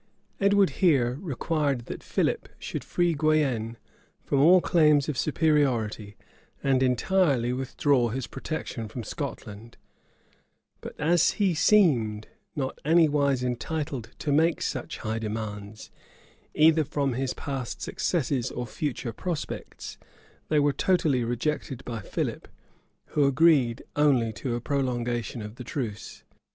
Edward here required that Philip should free Guienne from all claims of superiority, and entirely withdraw his protection from Scotland: but as he seemed not anywise entitled to make such high demands, either from his past successes or future prospects, they were totally rejected by Philip, who agreed only to a prolongation of the truce.